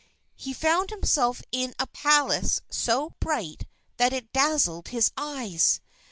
He found himself in a palace so bright that it dazzled his eyes.